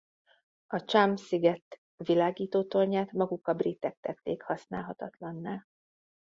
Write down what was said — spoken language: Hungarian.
A Chumbe-sziget világítótornyát maguk a britek tették használhatatlanná.